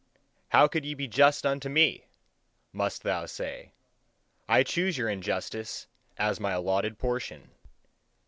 "How could ye be just unto me!" must thou say "I choose your injustice as my allotted portion."